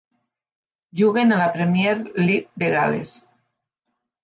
Juguen a la Premier League de Gales.